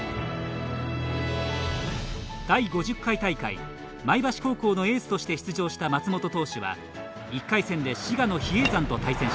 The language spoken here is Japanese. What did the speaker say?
第５０回大会前橋高校のエースとして出場した松本投手は１回戦で滋賀の比叡山と対戦しました。